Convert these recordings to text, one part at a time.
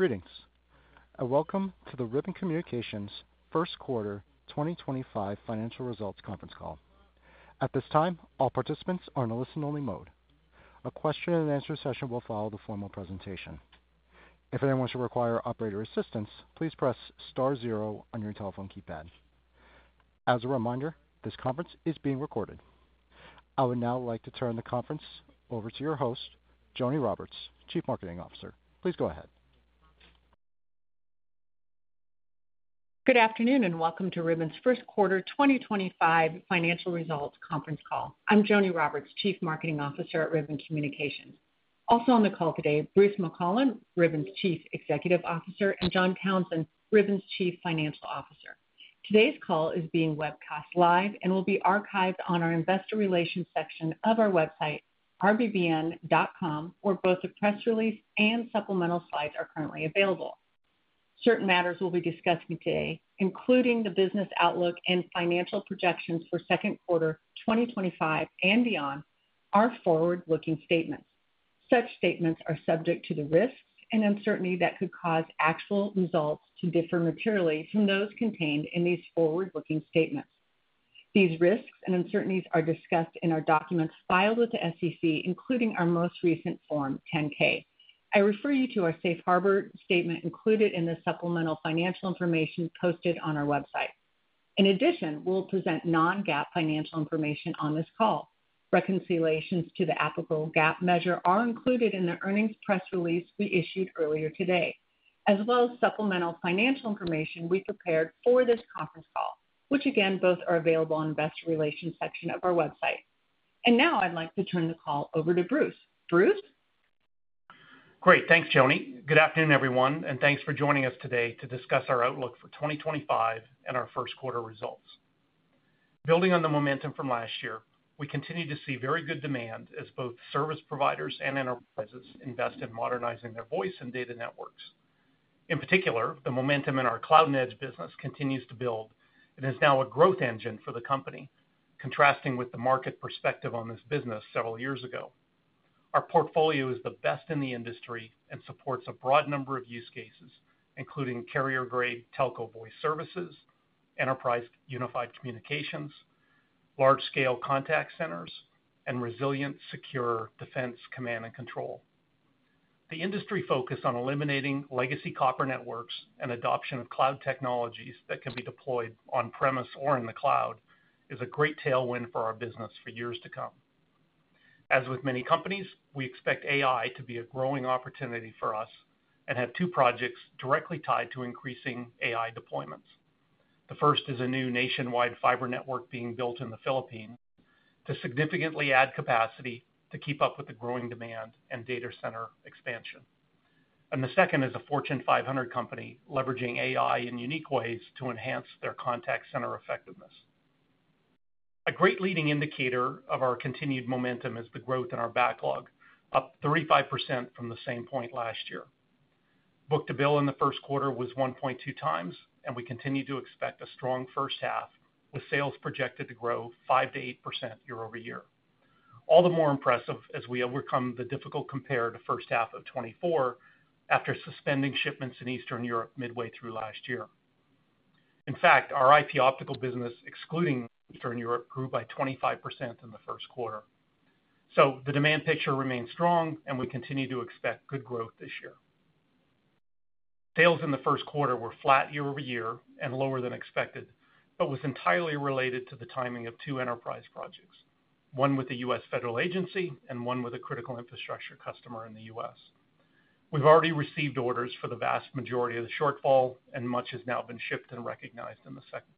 Greetings. Welcome to the Ribbon Communications First Quarter 2025 Financial Results Conference Call. At this time, all participants are in a listen-only mode. A question-and-answer session will follow the formal presentation. If anyone should require operator assistance, please press star zero on your telephone keypad. As a reminder, this conference is being recorded. I would now like to turn the conference over to your host, Joni Roberts, Chief Marketing Officer. Please go ahead. Good afternoon and welcome to Ribbon's First Quarter 2025 Financial Results Conference Call. I'm Joni Roberts, Chief Marketing Officer at Ribbon Communications. Also on the call today, Bruce McClelland, Ribbon's Chief Executive Officer, and John Townsend, Ribbon's Chief Financial Officer. Today's call is being webcast live and will be archived on our Investor Relations section of our website, rbbn.com, where both a press release and supplemental slides are currently available. Certain matters we'll be discussing today, including the business outlook and financial projections for Second Quarter 2025 and beyond, are forward-looking statements. Such statements are subject to the risks and uncertainty that could cause actual results to differ materially from those contained in these forward-looking statements. These risks and uncertainties are discussed in our documents filed with the SEC, including our most recent Form 10-K. I refer you to our Safe Harbor statement included in the supplemental financial information posted on our website. In addition, we'll present non-GAAP financial information on this call. Reconciliations to the applicable GAAP measure are included in the earnings press release we issued earlier today, as well as supplemental financial information we prepared for this conference call, which again, both are available on the Investor Relations section of our website. I would like to turn the call over to Bruce. Bruce? Great. Thanks, Joni. Good afternoon, everyone, and thanks for joining us today to discuss our outlook for 2025 and our first quarter results. Building on the momentum from last year, we continue to see very good demand as both service providers and enterprises invest in modernizing their voice and data networks. In particular, the momentum in our cloud and edge business continues to build and is now a growth engine for the company, contrasting with the market perspective on this business several years ago. Our portfolio is the best in the industry and supports a broad number of use cases, including carrier-grade telco voice services, enterprise unified communications, large-scale contact centers, and resilient, secure defense command and control. The industry focus on eliminating legacy copper networks and adoption of cloud technologies that can be deployed on-premise or in the cloud is a great tailwind for our business for years to come. As with many companies, we expect AI to be a growing opportunity for us and have two projects directly tied to increasing AI deployments. The first is a new nationwide fiber network being built in the Philippines to significantly add capacity to keep up with the growing demand and data center expansion. The second is a Fortune 500 company leveraging AI in unique ways to enhance their contact center effectiveness. A great leading indicator of our continued momentum is the growth in our backlog, up 35% from the same point last year. Book to bill in the first quarter was 1.2 times, and we continue to expect a strong first half with sales projected to grow 5%-8% year-over-year. All the more impressive as we overcome the difficult compare to first half of 2024 after suspending shipments in Eastern Europe midway through last year. In fact, our IP optical business, excluding Eastern Europe, grew by 25% in the first quarter. The demand picture remains strong, and we continue to expect good growth this year. Sales in the first quarter were flat year-over-year and lower than expected, but was entirely related to the timing of two enterprise projects, one with a U.S. federal agency and one with a critical infrastructure customer in the U.S. We have already received orders for the vast majority of the shortfall, and much has now been shipped and recognized in the second quarter.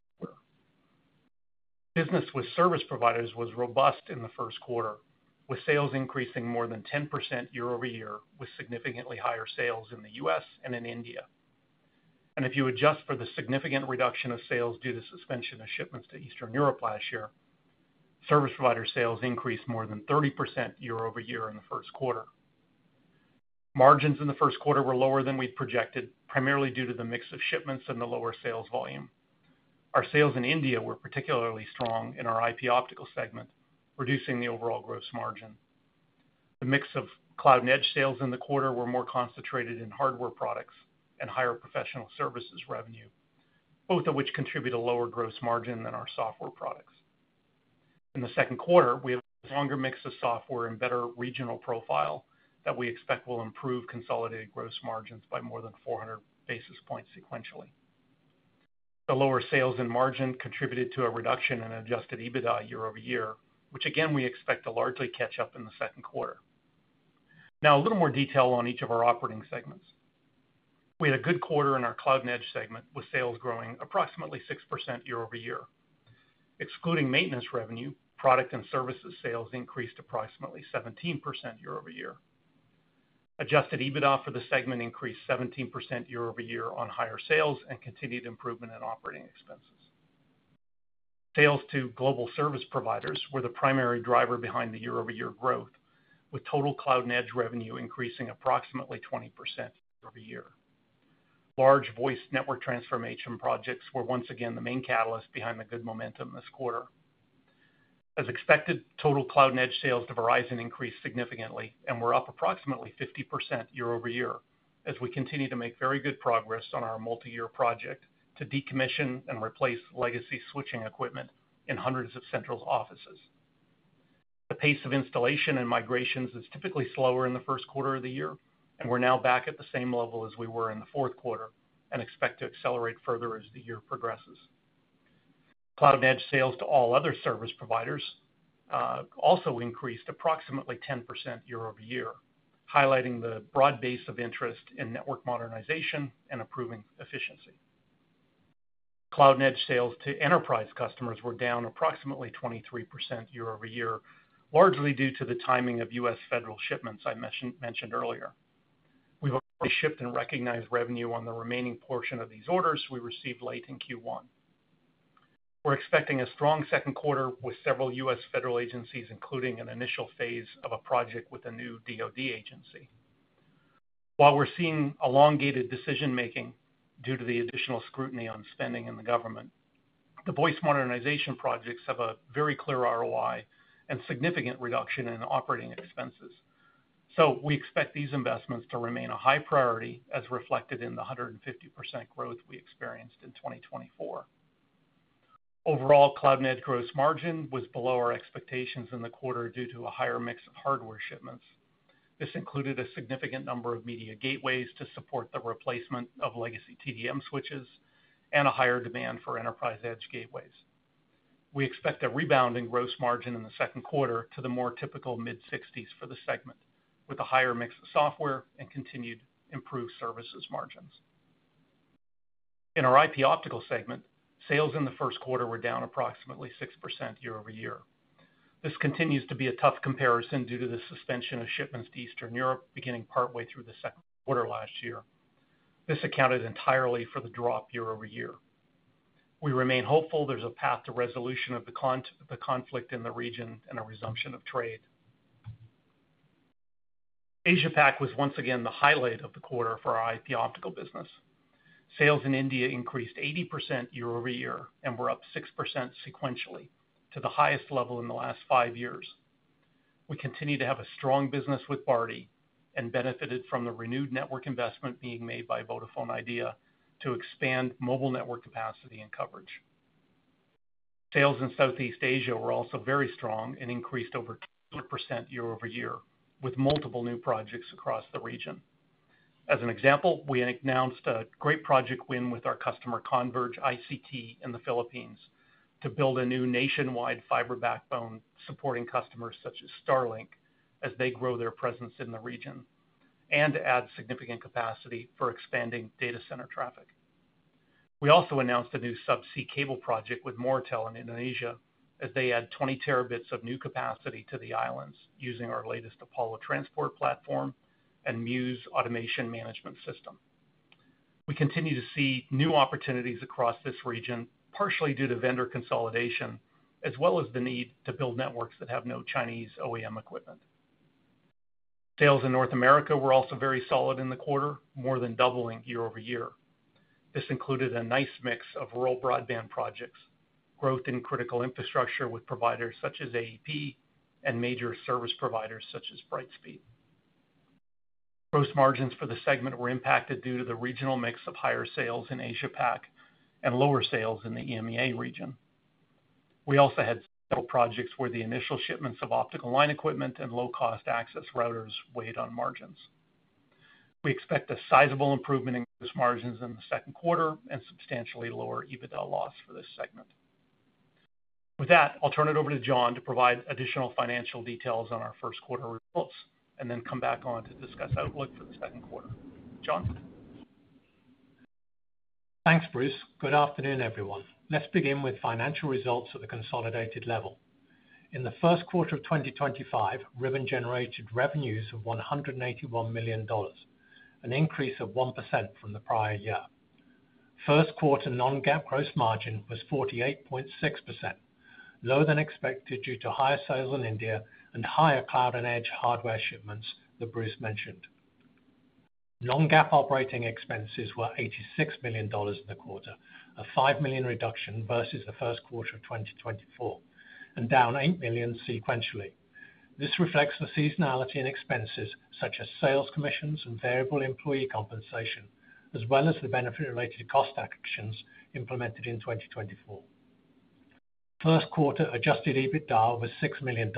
Business with service providers was robust in the first quarter, with sales increasing more than 10% year-over-year, with significantly higher sales in the U.S. and in India. If you adjust for the significant reduction of sales due to suspension of shipments to Eastern Europe last year, service provider sales increased more than 30% year-over-year in the first quarter. Margins in the first quarter were lower than we'd projected, primarily due to the mix of shipments and the lower sales volume. Our sales in India were particularly strong in our IP optical segment, reducing the overall gross margin. The mix of cloud and edge sales in the quarter were more concentrated in hardware products and higher professional services revenue, both of which contribute a lower gross margin than our software products. In the second quarter, we have a stronger mix of software and better regional profile that we expect will improve consolidated gross margins by more than 400 basis points sequentially. The lower sales and margin contributed to a reduction in adjusted EBITDA year-over-year, which again, we expect to largely catch up in the second quarter. Now, a little more detail on each of our operating segments. We had a good quarter in our cloud and edge segment with sales growing approximately 6% year-over-year. Excluding maintenance revenue, product and services sales increased approximately 17% year-over-year. Adjusted EBITDA for the segment increased 17% year-over-year on higher sales and continued improvement in operating expenses. Sales to global service providers were the primary driver behind the year-over-year growth, with total cloud and edge revenue increasing approximately 20% year-over-year. Large voice network transformation projects were once again the main catalyst behind the good momentum this quarter. As expected, total cloud and edge sales to Verizon increased significantly and were up approximately 50% year-over-year as we continue to make very good progress on our multi-year project to decommission and replace legacy switching equipment in hundreds of central offices. The pace of installation and migrations is typically slower in the first quarter of the year, and we're now back at the same level as we were in the fourth quarter and expect to accelerate further as the year progresses. Cloud and edge sales to all other service providers also increased approximately 10% year-over-year, highlighting the broad base of interest in network modernization and improving efficiency. Cloud and edge sales to enterprise customers were down approximately 23% year-over-year, largely due to the timing of U.S. Federal shipments I mentioned earlier. We've already shipped and recognized revenue on the remaining portion of these orders we received late in Q1. We're expecting a strong second quarter with several U.S. federal agencies, including an initial phase of a project with a new DOD agency. While we're seeing elongated decision-making due to the additional scrutiny on spending in the government, the voice modernization projects have a very clear ROI and significant reduction in operating expenses. We expect these investments to remain a high priority as reflected in the 150% growth we experienced in 2024. Overall, cloud and edge gross margin was below our expectations in the quarter due to a higher mix of hardware shipments. This included a significant number of media gateways to support the replacement of legacy TDM switches and a higher demand for enterprise edge gateways. We expect a rebound in gross margin in the second quarter to the more typical mid-60s for the segment, with a higher mix of software and continued improved services margins. In our IP optical segment, sales in the first quarter were down approximately 6% year-over-year. This continues to be a tough comparison due to the suspension of shipments to Eastern Europe beginning partway through the second quarter last year. This accounted entirely for the drop year-over-year. We remain hopeful there is a path to resolution of the conflict in the region and a resumption of trade. Asia-Pacific was once again the highlight of the quarter for our IP optical business. Sales in India increased 80% year-over-year and were up 6% sequentially to the highest level in the last five years. We continue to have a strong business with Bharti and benefited from the renewed network investment being made by Vodafone Idea to expand mobile network capacity and coverage. Sales in Southeast Asia were also very strong and increased over 200% year-over-year with multiple new projects across the region. As an example, we announced a great project win with our customer Converge ICT in the Philippines to build a new nationwide fiber backbone supporting customers such as Starlink as they grow their presence in the region and add significant capacity for expanding data center traffic. We also announced a new subsea cable project with Moratelindo in Indonesia as they add 20 terabits of new capacity to the islands using our latest Apollo transport platform and Muse automation management system. We continue to see new opportunities across this region, partially due to vendor consolidation, as well as the need to build networks that have no Chinese OEM equipment. Sales in North America were also very solid in the quarter, more than doubling year-over-year. This included a nice mix of rural broadband projects, growth in critical infrastructure with providers such as AEP and major service providers such as Brightspeed. Gross margins for the segment were impacted due to the regional mix of higher sales in Asia-Pacific and lower sales in the EMEA region. We also had several projects where the initial shipments of optical line equipment and low-cost access routers weighed on margins. We expect a sizable improvement in gross margins in the second quarter and substantially lower EBITDA loss for this segment. With that, I'll turn it over to John to provide additional financial details on our first quarter results and then come back on to discuss outlook for the second quarter. John? Thanks, Bruce. Good afternoon, everyone. Let's begin with financial results at the consolidated level. In the first quarter of 2025, Ribbon generated revenues of $181 million, an increase of 1% from the prior year. First quarter non-GAAP gross margin was 48.6%, lower than expected due to higher sales in India and higher cloud and edge hardware shipments that Bruce mentioned. Non-GAAP operating expenses were $86 million in the quarter, a $5 million reduction versus the first quarter of 2024, and down $8 million sequentially. This reflects the seasonality in expenses such as sales commissions and variable employee compensation, as well as the benefit-related cost actions implemented in 2024. First quarter adjusted EBITDA was $6 million,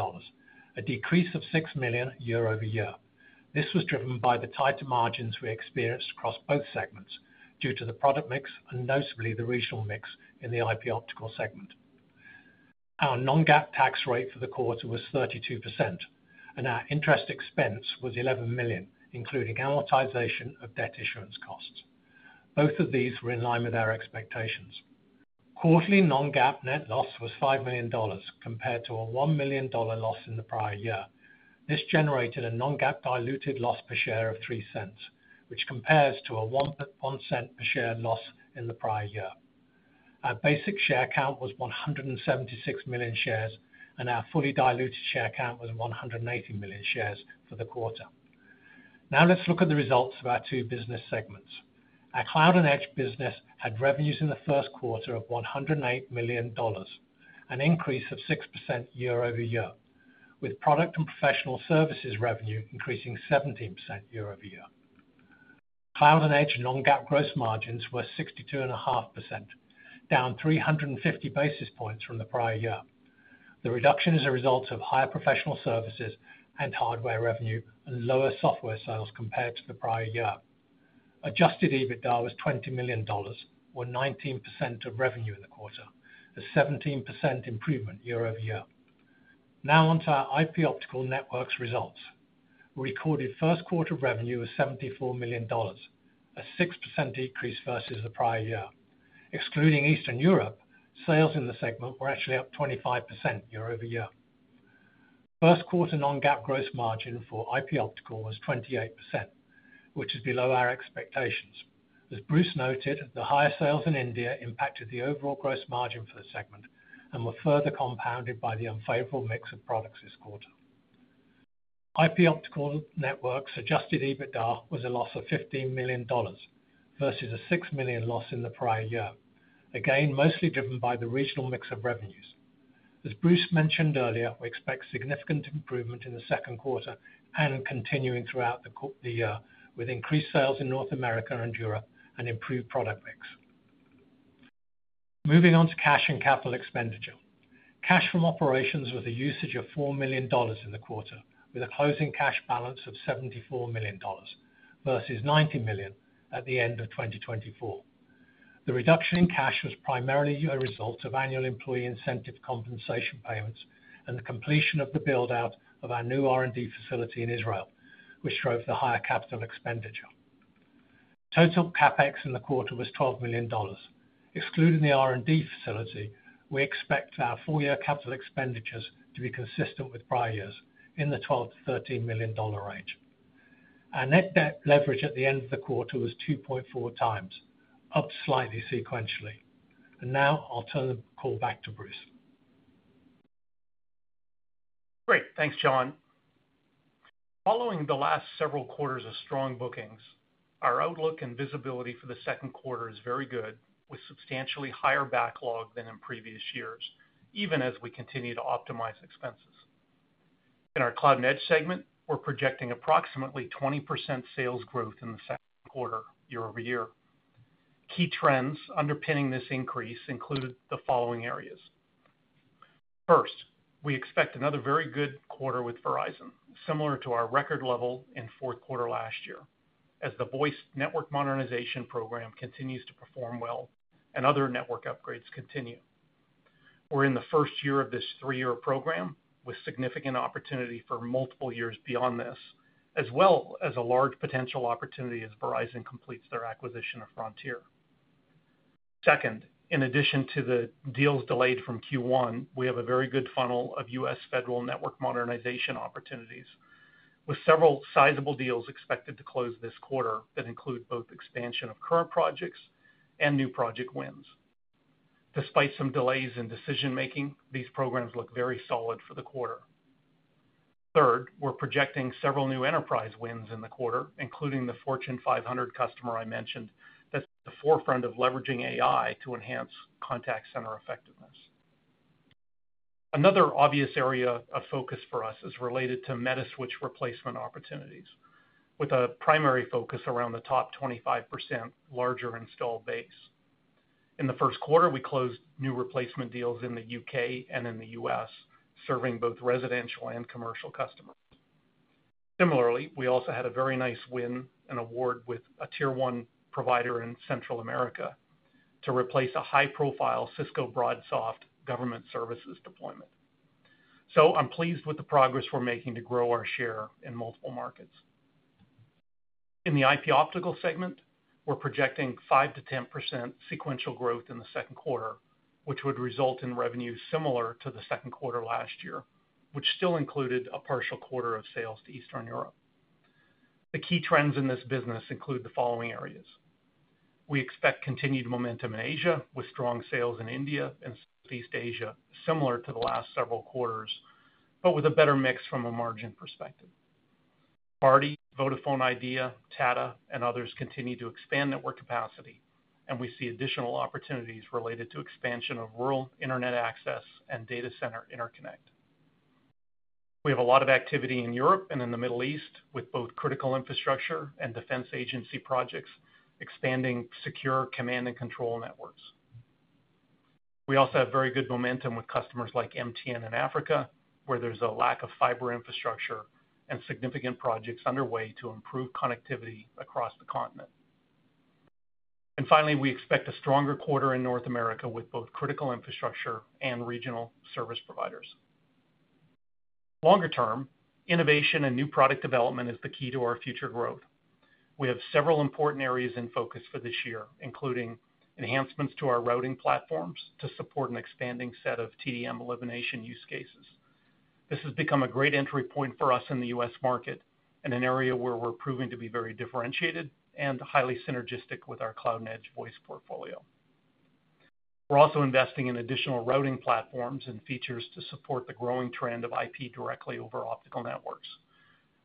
a decrease of $6 million year-over-year. This was driven by the tighter margins we experienced across both segments due to the product mix and notably the regional mix in the IP optical segment. Our non-GAAP tax rate for the quarter was 32%, and our interest expense was $11 million, including amortization of debt issuance costs. Both of these were in line with our expectations. Quarterly non-GAAP net loss was $5 million compared to a $1 million loss in the prior year. This generated a non-GAAP diluted loss per share of $0.03, which compares to a $0.01 per share loss in the prior year. Our basic share count was 176 million shares, and our fully diluted share count was 180 million shares for the quarter. Now let's look at the results of our two business segments. Our cloud and edge business had revenues in the first quarter of $108 million, an increase of 6% year-over-year, with product and professional services revenue increasing 17% year-over-year. Cloud and edge non-GAAP gross margins were 62.5%, down 350 basis points from the prior year. The reduction is a result of higher professional services and hardware revenue and lower software sales compared to the prior year. Adjusted EBITDA was $20 million, or 19% of revenue in the quarter, a 17% improvement year-over-year. Now onto our IP optical networks results. We recorded first quarter revenue of $74 million, a 6% decrease versus the prior year. Excluding Eastern Europe, sales in the segment were actually up 25% year-over-year. First quarter non-GAAP gross margin for IP optical was 28%, which is below our expectations. As Bruce noted, the higher sales in India impacted the overall gross margin for the segment and were further compounded by the unfavorable mix of products this quarter. IP optical networks adjusted EBITDA was a loss of $15 million versus a $6 million loss in the prior year, again mostly driven by the regional mix of revenues. As Bruce mentioned earlier, we expect significant improvement in the second quarter and continuing throughout the year with increased sales in North America and Europe and improved product mix. Moving on to cash and capital expenditure. Cash from operations was a usage of $4 million in the quarter, with a closing cash balance of $74 million versus $90 million at the end of 2024. The reduction in cash was primarily a result of annual employee incentive compensation payments and the completion of the build-out of our new R&D facility in Israel, which drove the higher capital expenditure. Total CapEx in the quarter was $12 million. Excluding the R&D facility, we expect our full-year capital expenditures to be consistent with prior years in the $12 million-$13 million range. Our net debt leverage at the end of the quarter was 2.4 times, up slightly sequentially. I'll turn the call back to Bruce. Great. Thanks, John. Following the last several quarters of strong bookings, our outlook and visibility for the second quarter is very good, with substantially higher backlog than in previous years, even as we continue to optimize expenses. In our cloud and edge segment, we're projecting approximately 20% sales growth in the second quarter year-over-year. Key trends underpinning this increase include the following areas. First, we expect another very good quarter with Verizon, similar to our record level in fourth quarter last year, as the voice network modernization program continues to perform well and other network upgrades continue. We're in the first year of this three-year program with significant opportunity for multiple years beyond this, as well as a large potential opportunity as Verizon completes their acquisition of Frontier. Second, in addition to the deals delayed from Q1, we have a very good funnel of U.S. Federal network modernization opportunities, with several sizable deals expected to close this quarter that include both expansion of current projects and new project wins. Despite some delays in decision-making, these programs look very solid for the quarter. Third, we're projecting several new enterprise wins in the quarter, including the Fortune 500 customer I mentioned that's at the forefront of leveraging AI to enhance contact center effectiveness. Another obvious area of focus for us is related to Metaswitch replacement opportunities, with a primary focus around the top 25% larger installed base. In the first quarter, we closed new replacement deals in the U.K. and in the U.S., serving both residential and commercial customers. Similarly, we also had a very nice win and award with a tier one provider in Central America to replace a high-profile Cisco BroadSoft government services deployment. I'm pleased with the progress we're making to grow our share in multiple markets. In the IP optical segment, we're projecting 5%-10% sequential growth in the second quarter, which would result in revenues similar to the second quarter last year, which still included a partial quarter of sales to Eastern Europe. The key trends in this business include the following areas. We expect continued momentum in Asia with strong sales in India and Southeast Asia, similar to the last several quarters, but with a better mix from a margin perspective. Bharti Airtel, Vodafone Idea, Tata, and others continue to expand network capacity, and we see additional opportunities related to expansion of rural internet access and data center interconnect. We have a lot of activity in Europe and in the Middle East with both critical infrastructure and defense agency projects expanding secure command and control networks. We also have very good momentum with customers like MTN in Africa, where there's a lack of fiber infrastructure and significant projects underway to improve connectivity across the continent. Finally, we expect a stronger quarter in North America with both critical infrastructure and regional service providers. Longer term, innovation and new product development is the key to our future growth. We have several important areas in focus for this year, including enhancements to our routing platforms to support an expanding set of TDM elimination use cases. This has become a great entry point for us in the U.S. market and an area where we're proving to be very differentiated and highly synergistic with our cloud and edge voice portfolio. We're also investing in additional routing platforms and features to support the growing trend of IP directly over optical networks.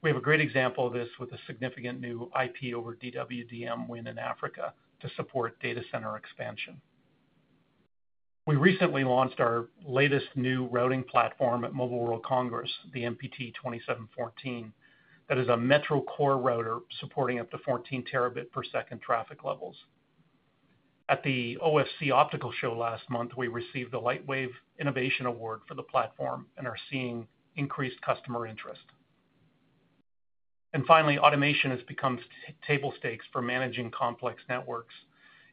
We have a great example of this with a significant new IP over DWDM win in Africa to support data center expansion. We recently launched our latest new routing platform at Mobile World Congress, the NPT 2714, that is a Metro Core router supporting up to 14 terabit per second traffic levels. At the OFC Optical Show last month, we received a Lightwave Innovation Award for the platform and are seeing increased customer interest. Finally, automation has become table stakes for managing complex networks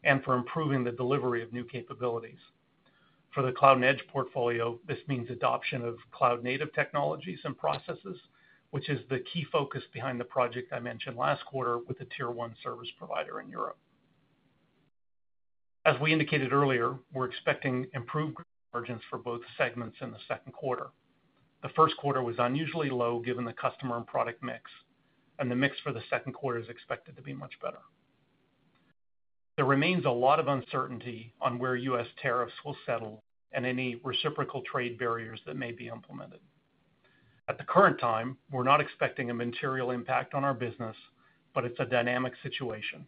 and for improving the delivery of new capabilities. For the cloud and edge portfolio, this means adoption of cloud-native technologies and processes, which is the key focus behind the project I mentioned last quarter with a tier one service provider in Europe. As we indicated earlier, we're expecting improved margins for both segments in the second quarter. The first quarter was unusually low given the customer and product mix, and the mix for the second quarter is expected to be much better. There remains a lot of uncertainty on where U.S. tariffs will settle and any reciprocal trade barriers that may be implemented. At the current time, we're not expecting a material impact on our business, but it's a dynamic situation.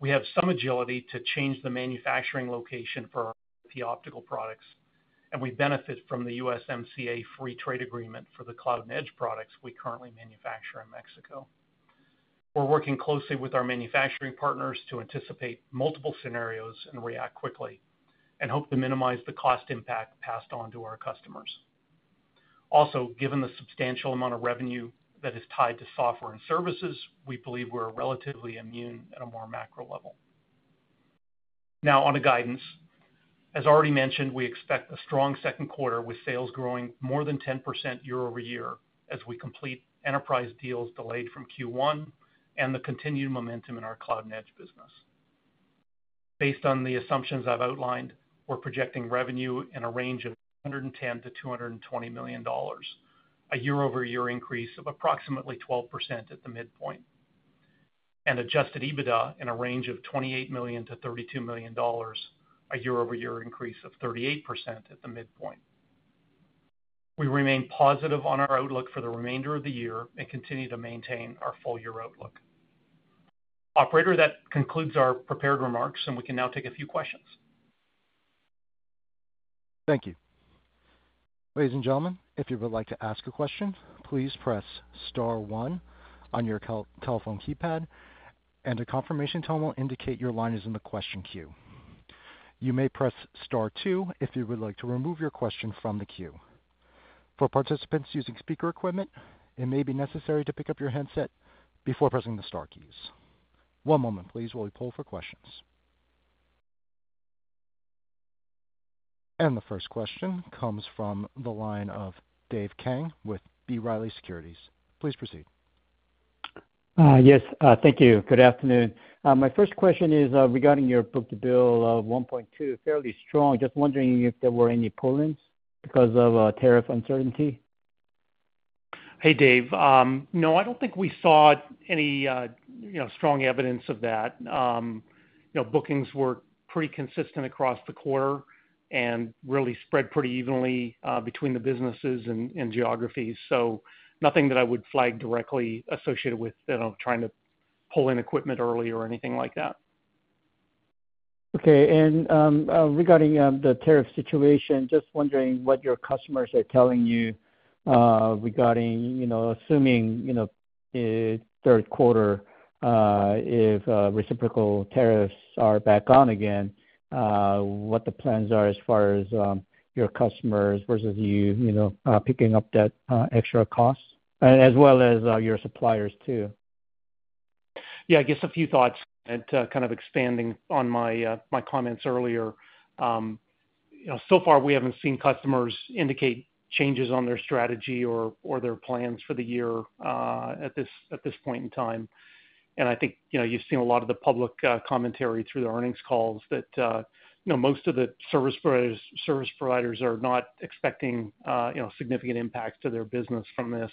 We have some agility to change the manufacturing location for our IP optical products, and we benefit from the USMCA free trade agreement for the cloud and edge products we currently manufacture in Mexico. We're working closely with our manufacturing partners to anticipate multiple scenarios and react quickly and hope to minimize the cost impact passed on to our customers. Also, given the substantial amount of revenue that is tied to software and services, we believe we're relatively immune at a more macro level. Now, on to guidance. As already mentioned, we expect a strong second quarter with sales growing more than 10% year-over-year as we complete enterprise deals delayed from Q1 and the continued momentum in our cloud and edge business. Based on the assumptions I've outlined, we're projecting revenue in a range of $110 million-$220 million, a year-over-year increase of approximately 12% at the midpoint, and adjusted EBITDA in a range of $28 million-$32 million, a year-over-year increase of 38% at the midpoint. We remain positive on our outlook for the remainder of the year and continue to maintain our full-year outlook. Operator, that concludes our prepared remarks, and we can now take a few questions. Thank you. Ladies and gentlemen, if you would like to ask a question, please press Star 1 on your telephone keypad, and a confirmation tone will indicate your line is in the question queue. You may press Star 2 if you would like to remove your question from the queue. For participants using speaker equipment, it may be necessary to pick up your headset before pressing the Star keys. One moment, please, while we pull for questions. The first question comes from the line of Dave Kang with B. Riley Securities. Please proceed. Yes, thank you. Good afternoon. My first question is regarding your book to bill of 1.2, fairly strong. Just wondering if there were any pull-ins because of tariff uncertainty. Hey, Dave. No, I don't think we saw any strong evidence of that. Bookings were pretty consistent across the quarter and really spread pretty evenly between the businesses and geographies. Nothing that I would flag directly associated with trying to pull in equipment early or anything like that. Okay. Regarding the tariff situation, just wondering what your customers are telling you regarding assuming third quarter, if reciprocal tariffs are back on again, what the plans are as far as your customers versus you picking up that extra cost, as well as your suppliers too. Yeah, I guess a few thoughts and kind of expanding on my comments earlier. So far, we haven't seen customers indicate changes on their strategy or their plans for the year at this point in time. I think you've seen a lot of the public commentary through the earnings calls that most of the service providers are not expecting significant impacts to their business from this.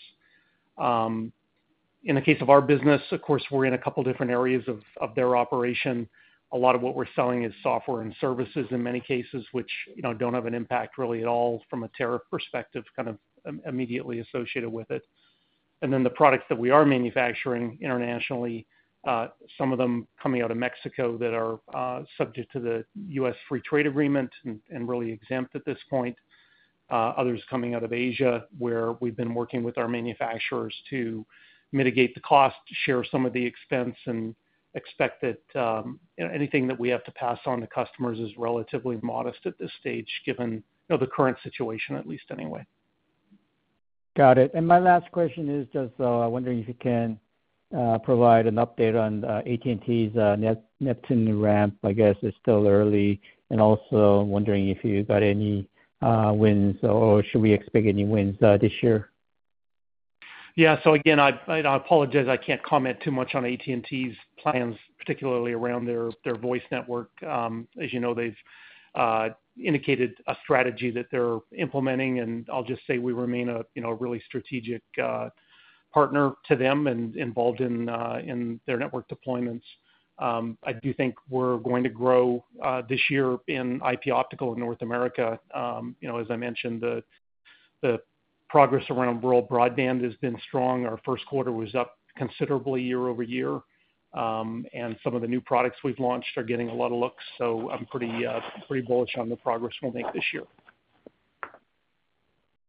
In the case of our business, of course, we're in a couple of different areas of their operation. A lot of what we're selling is software and services in many cases, which don't have an impact really at all from a tariff perspective kind of immediately associated with it. The products that we are manufacturing internationally, some of them coming out of Mexico that are subject to the U.S. free trade agreement and really exempt at this point. Others coming out of Asia where we've been working with our manufacturers to mitigate the cost, share some of the expense, and expect that anything that we have to pass on to customers is relatively modest at this stage given the current situation, at least anyway. Got it. My last question is just wondering if you can provide an update on AT&T's Neptune ramp. I guess it's still early. I am also wondering if you got any wins or should we expect any wins this year. Yeah. Again, I apologize. I can't comment too much on AT&T's plans, particularly around their voice network. As you know, they've indicated a strategy that they're implementing, and I'll just say we remain a really strategic partner to them and involved in their network deployments. I do think we're going to grow this year in IP optical in North America. As I mentioned, the progress around world broadband has been strong. Our first quarter was up considerably year-over-year, and some of the new products we've launched are getting a lot of looks. I'm pretty bullish on the progress we'll make this year.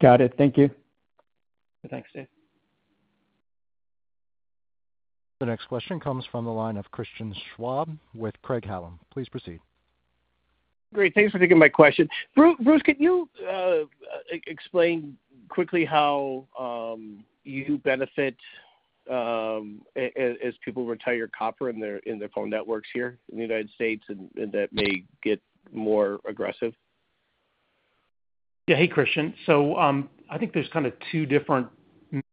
Got it. Thank you. Thanks, Dave. The next question comes from the line of Christian Schwab with Craig-Hallum. Please proceed. Great. Thanks for taking my question. Bruce, can you explain quickly how you benefit as people retire copper in their phone networks here in the United States and that may get more aggressive? Yeah. Hey, Christian. I think there's kind of two different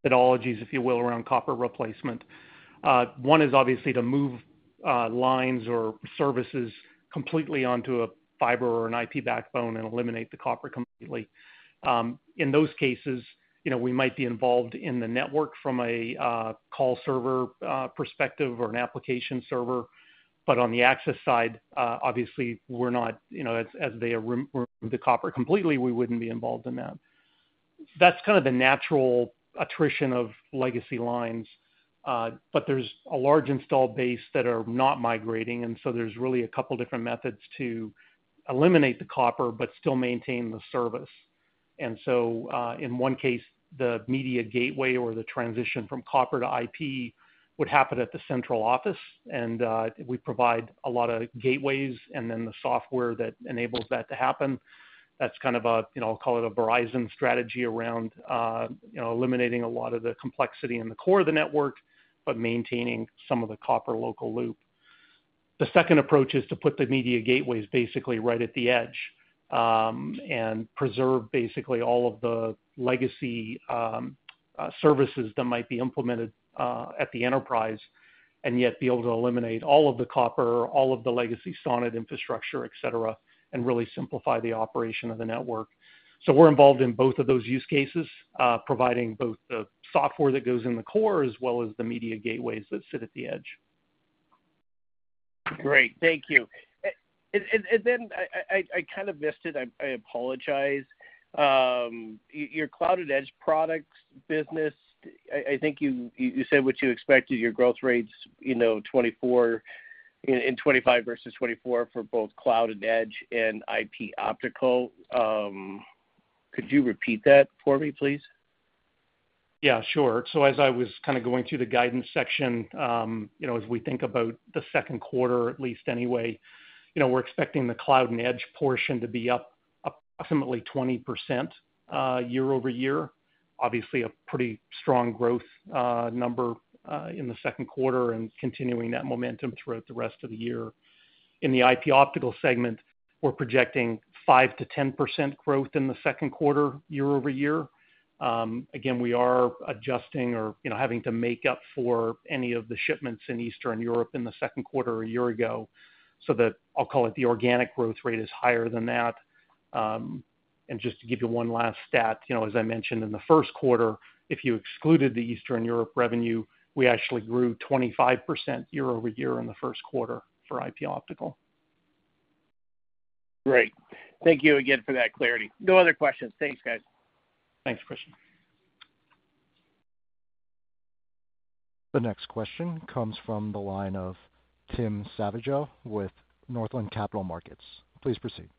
methodologies, if you will, around copper replacement. One is obviously to move lines or services completely onto a fiber or an IP backbone and eliminate the copper completely. In those cases, we might be involved in the network from a call server perspective or an application server. On the access side, obviously, we're not, as they remove the copper completely, we wouldn't be involved in that. That's kind of the natural attrition of legacy lines. There's a large installed base that are not migrating, and so there's really a couple of different methods to eliminate the copper but still maintain the service. In one case, the media gateway or the transition from copper to IP would happen at the central office, and we provide a lot of gateways and then the software that enables that to happen. That's kind of a, I'll call it a Verizon strategy around eliminating a lot of the complexity in the core of the network but maintaining some of the copper local loop. The second approach is to put the media gateways basically right at the edge and preserve basically all of the legacy services that might be implemented at the enterprise and yet be able to eliminate all of the copper, all of the legacy SONET infrastructure, etc., and really simplify the operation of the network. We're involved in both of those use cases, providing both the software that goes in the core as well as the media gateways that sit at the edge. Great. Thank you. I kind of missed it. I apologize. Your cloud and edge products business, I think you said what you expected, your growth rates in 2025 versus 2024 for both cloud and edge and IP optical. Could you repeat that for me, please? Yeah, sure. As I was kind of going through the guidance section, as we think about the second quarter, at least anyway, we're expecting the cloud and edge portion to be up approximately 20% year-over-year. Obviously, a pretty strong growth number in the second quarter and continuing that momentum throughout the rest of the year. In the IP optical segment, we're projecting 5%-10% growth in the second quarter year-over-year. Again, we are adjusting or having to make up for any of the shipments in Eastern Europe in the second quarter a year ago so that, I'll call it the organic growth rate is higher than that. Just to give you one last stat, as I mentioned in the first quarter, if you excluded the Eastern Europe revenue, we actually grew 25% year-over-year in the first quarter for IP optical. Great. Thank you again for that clarity. No other questions. Thanks, guys. Thanks, Christian. The next question comes from the line of Tim Savageau with Northland Capital Markets. Please proceed.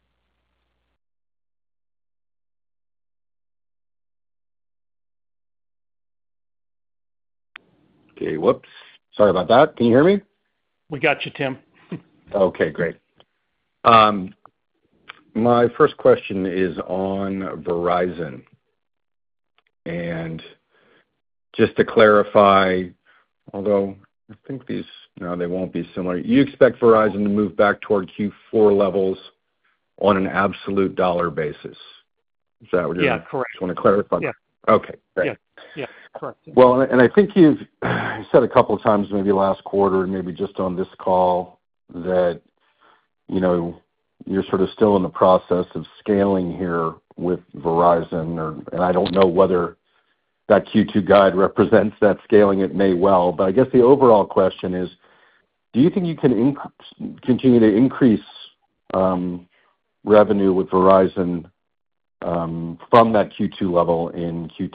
Okay. Sorry about that. Can you hear me? We got you, Tim. Okay. Great. My first question is on Verizon. And just to clarify, although I think these, no, they won't be similar. You expect Verizon to move back toward Q4 levels on an absolute dollar basis. Is that what you're? Yeah. Correct. Just want to clarify. Yeah. Okay. Great. Yeah. Yeah. Correct. I think you've said a couple of times maybe last quarter and maybe just on this call that you're sort of still in the process of scaling here with Verizon, and I don't know whether that Q2 guide represents that scaling. It may well. I guess the overall question is, do you think you can continue to increase revenue with Verizon from that Q2 level in Q3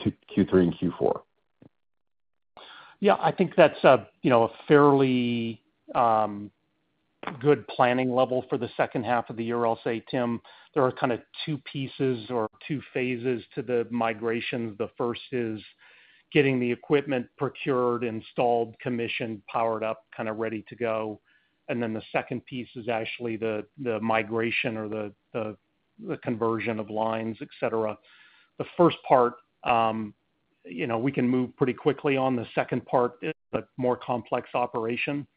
and Q4? Yeah. I think that's a fairly good planning level for the second half of the year. I'll say, Tim, there are kind of two pieces or two phases to the migrations. The first is getting the equipment procured, installed, commissioned, powered up, kind of ready to go. The second piece is actually the migration or the conversion of lines, etc. The first part, we can move pretty quickly on. The second part is a more complex operation.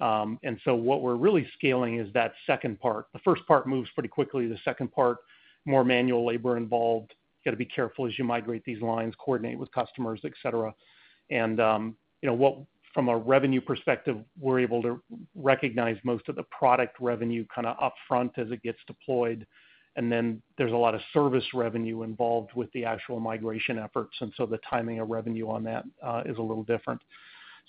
What we're really scaling is that second part. The first part moves pretty quickly. The second part, more manual labor involved. You got to be careful as you migrate these lines, coordinate with customers, etc. From a revenue perspective, we're able to recognize most of the product revenue kind of upfront as it gets deployed. There is a lot of service revenue involved with the actual migration efforts. The timing of revenue on that is a little different.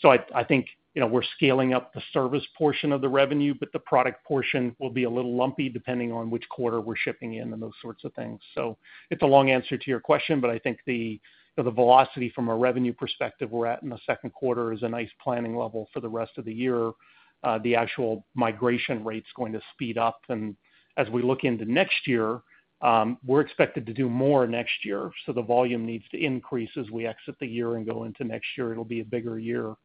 I think we are scaling up the service portion of the revenue, but the product portion will be a little lumpy depending on which quarter we are shipping in and those sorts of things. It is a long answer to your question, but I think the velocity from a revenue perspective we are at in the second quarter is a nice planning level for the rest of the year. The actual migration rate is going to speed up. As we look into next year, we are expected to do more next year. The volume needs to increase as we exit the year and go into next year. It will be a bigger year.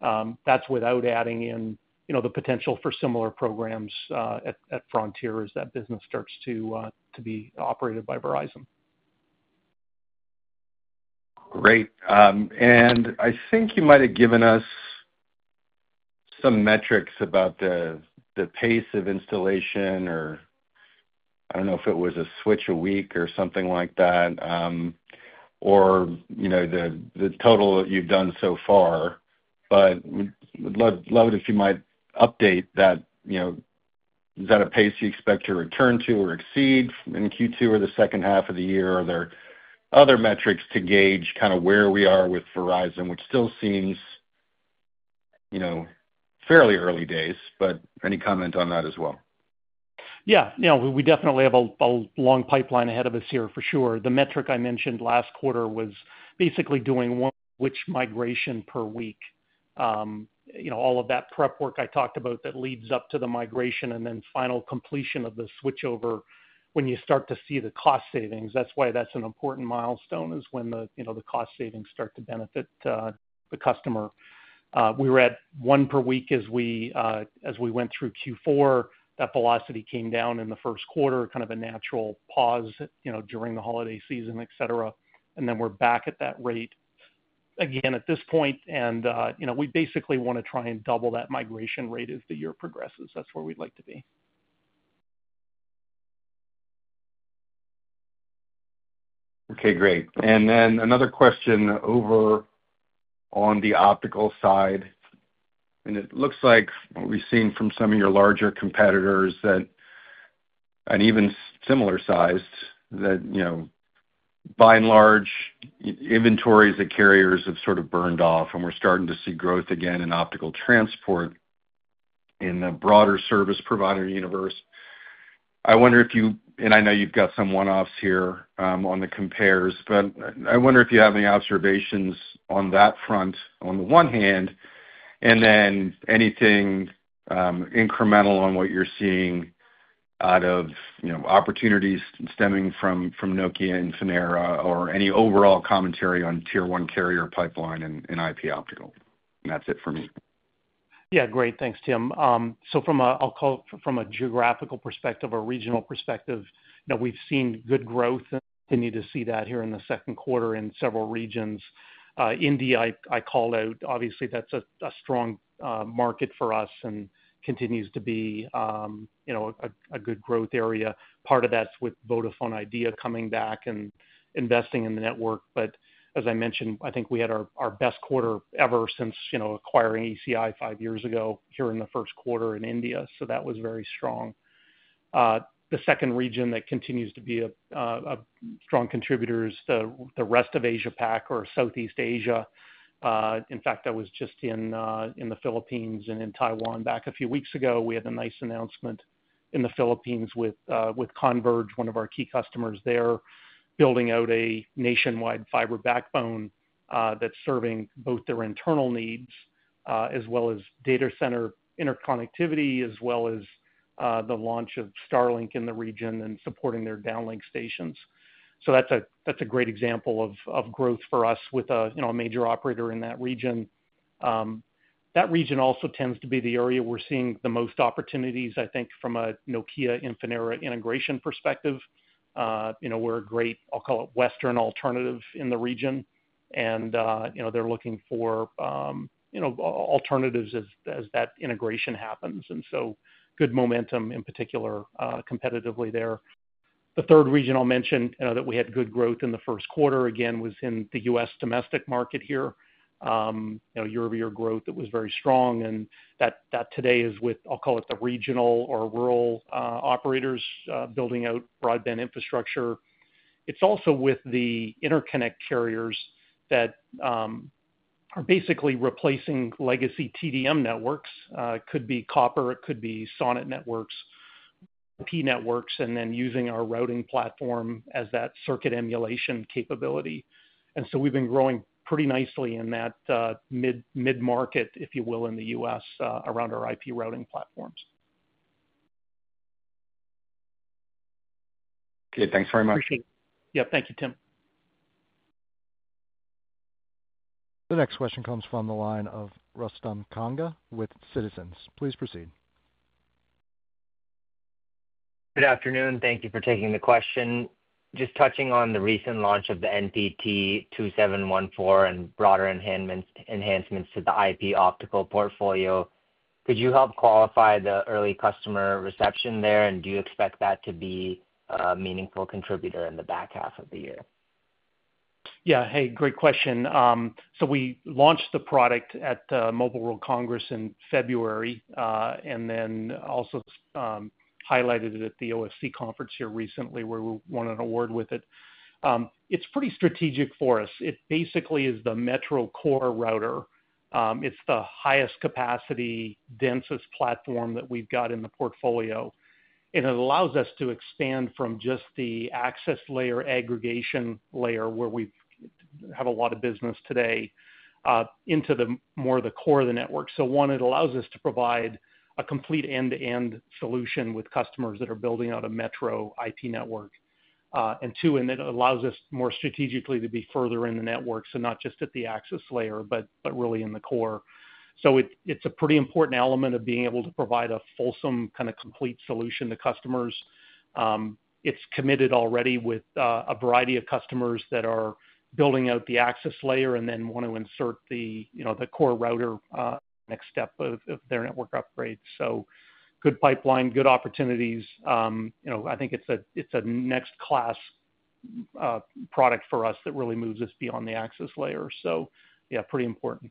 That's without adding in the potential for similar programs at Frontier as that business starts to be operated by Verizon. Great. I think you might have given us some metrics about the pace of installation or I do not know if it was a switch a week or something like that or the total that you have done so far. I would love it if you might update that. Is that a pace you expect to return to or exceed in Q2 or the second half of the year? Are there other metrics to gauge kind of where we are with Verizon, which still seems fairly early days, but any comment on that as well? Yeah. Yeah. We definitely have a long pipeline ahead of us here for sure. The metric I mentioned last quarter was basically doing one switch migration per week. All of that prep work I talked about that leads up to the migration and then final completion of the switchover when you start to see the cost savings. That's why that's an important milestone is when the cost savings start to benefit the customer. We were at one per week as we went through Q4. That velocity came down in the first quarter, kind of a natural pause during the holiday season, etc. We are back at that rate again at this point. We basically want to try and double that migration rate as the year progresses. That's where we'd like to be. Okay. Great. Another question over on the optical side. It looks like what we've seen from some of your larger competitors and even similar sized, that by and large, inventories at carriers have sort of burned off, and we're starting to see growth again in optical transport in the broader service provider universe. I wonder if you—and I know you've got some one-offs here on the compares, but I wonder if you have any observations on that front on the one hand, and then anything incremental on what you're seeing out of opportunities stemming from Nokia and Ciena or any overall commentary on tier one carrier pipeline and IP optical. That's it for me. Yeah. Great. Thanks, Tim. I'll call it from a geographical perspective, a regional perspective, we've seen good growth. Continue to see that here in the second quarter in several regions. India, I call out. Obviously, that's a strong market for us and continues to be a good growth area. Part of that's with Vodafone Idea coming back and investing in the network. As I mentioned, I think we had our best quarter ever since acquiring ECI five years ago here in the first quarter in India. That was very strong. The second region that continues to be a strong contributor is the rest of Asia-Pac or Southeast Asia. In fact, I was just in the Philippines and in Taiwan back a few weeks ago. We had a nice announcement in the Philippines with Converge, one of our key customers there, building out a nationwide fiber backbone that's serving both their internal needs as well as data center interconnectivity, as well as the launch of Starlink in the region and supporting their downlink stations. That is a great example of growth for us with a major operator in that region. That region also tends to be the area we're seeing the most opportunities, I think, from a Nokia and Ciena integration perspective. We're a great, I'll call it, Western alternative in the region, and they're looking for alternatives as that integration happens. Good momentum in particular competitively there. The third region I'll mention that we had good growth in the first quarter again was in the U.S. domestic market here. Year-over-year growth that was very strong. That today is with, I'll call it, the regional or rural operators building out broadband infrastructure. It's also with the interconnect carriers that are basically replacing legacy TDM networks. It could be copper. It could be SONET networks, IP networks, and then using our routing platform as that circuit emulation capability. We've been growing pretty nicely in that mid-market, if you will, in the U.S. around our IP routing platforms. Okay. Thanks very much. Appreciate it. Yeah. Thank you, Tim. The next question comes from the line of Rustam Kanga with Citizens. Please proceed. Good afternoon. Thank you for taking the question. Just touching on the recent launch of the MPT 2714 and broader enhancements to the IP optical portfolio. Could you help qualify the early customer reception there, and do you expect that to be a meaningful contributor in the back half of the year? Yeah. Hey, great question. We launched the product at the Mobile World Congress in February and then also highlighted it at the OFC conference here recently where we won an award with it. It's pretty strategic for us. It basically is the Metro Core router. It's the highest capacity, densest platform that we've got in the portfolio. It allows us to expand from just the access layer, aggregation layer, where we have a lot of business today, into more of the core of the network. One, it allows us to provide a complete end-to-end solution with customers that are building out a Metro IP network. Two, it allows us more strategically to be further in the network, not just at the access layer, but really in the core. It is a pretty important element of being able to provide a fulsome, kind of complete solution to customers. It is committed already with a variety of customers that are building out the access layer and then want to insert the core router next step of their network upgrade. Good pipeline, good opportunities. I think it is a next-class product for us that really moves us beyond the access layer. Pretty important.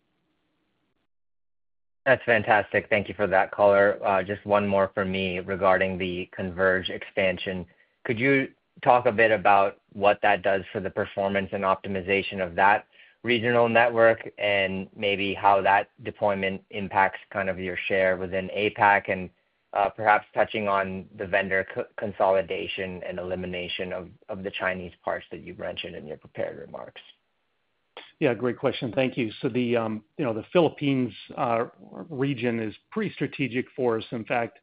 That's fantastic. Thank you for that, Caller. Just one more from me regarding the Converge expansion. Could you talk a bit about what that does for the performance and optimization of that regional network and maybe how that deployment impacts kind of your share within APAC and perhaps touching on the vendor consolidation and elimination of the Chinese parts that you've mentioned in your prepared remarks? Yeah. Great question. Thank you. The Philippines region is pretty strategic for us. In fact,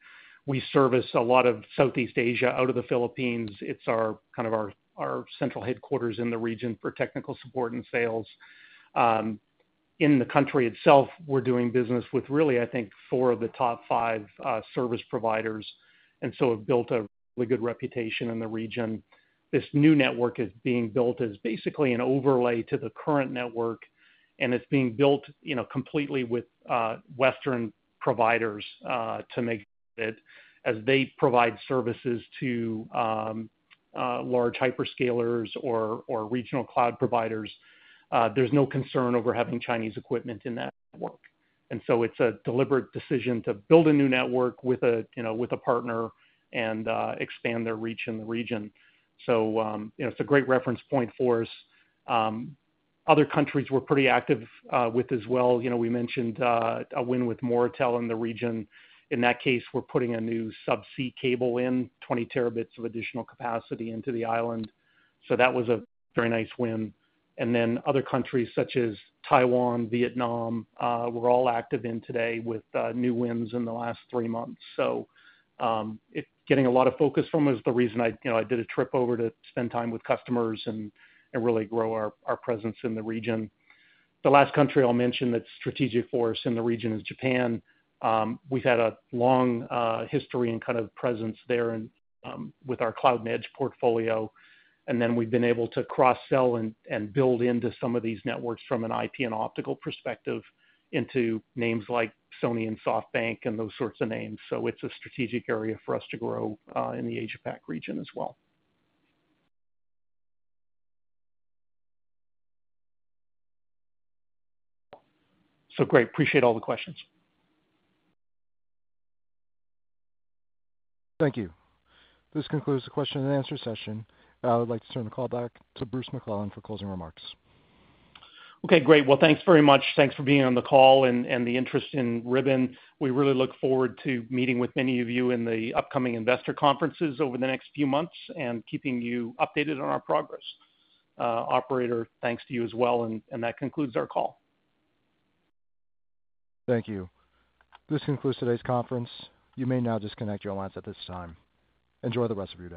we service a lot of Southeast Asia out of the Philippines. It's kind of our central headquarters in the region for technical support and sales. In the country itself, we're doing business with really, I think, four of the top five service providers. We have built a really good reputation in the region. This new network is being built as basically an overlay to the current network, and it's being built completely with Western providers to make it as they provide services to large hyperscalers or regional cloud providers. There's no concern over having Chinese equipment in that network. It is a deliberate decision to build a new network with a partner and expand their reach in the region. It's a great reference point for us. Other countries we're pretty active with as well. We mentioned a win with Moratelindo in the region. In that case, we're putting a new subsea cable in, 20 terabits of additional capacity into the island. That was a very nice win. Other countries such as Taiwan, Vietnam, we're all active in today with new wins in the last three months. Getting a lot of focus from it is the reason I did a trip over to spend time with customers and really grow our presence in the region. The last country I'll mention that's strategic for us in the region is Japan. We've had a long history and kind of presence there with our cloud and edge portfolio. We have been able to cross-sell and build into some of these networks from an IP and optical perspective into names like Sony and SoftBank and those sorts of names. It is a strategic area for us to grow in the Asia-Pac region as well. Great. Appreciate all the questions. Thank you. This concludes the question and answer session. I would like to turn the call back to Bruce McClelland for closing remarks. Great. Thanks very much. Thanks for being on the call and the interest in Ribbon. We really look forward to meeting with many of you in the upcoming investor conferences over the next few months and keeping you updated on our progress. Operator, thanks to you as well. That concludes our call. Thank you. This concludes today's conference. You may now disconnect your lines at this time. Enjoy the rest of your day.